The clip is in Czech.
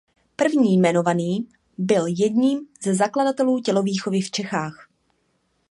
První jmenovaný byl jedním ze zakladatelů tělovýchovy v Čechách.